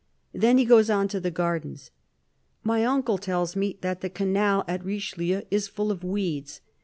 Then he goes on to the gardens. " My uncle tells me that the canal at Richelieu is full of weeds.